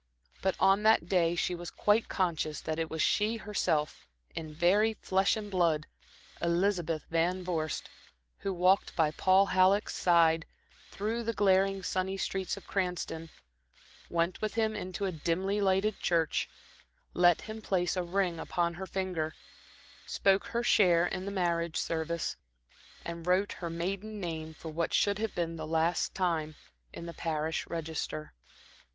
But on that day she was quite conscious that it was she herself, in very flesh and blood, Elizabeth Van Vorst, who walked by Paul Halleck's side through the glaring, sunny streets of Cranston, went with him into a dimly lighted church, let him place a ring upon her finger, spoke her share in the marriage service, and wrote her maiden name for what should have been the last time, in the parish register.